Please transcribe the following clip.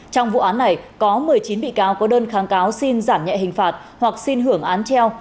trong vụ án này có một mươi chín bị cáo có đơn kháng cáo xin giảm nhẹ hình phạt hoặc xin hưởng án treo